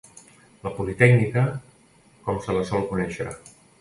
La Politècnica, com se la sol conèixer.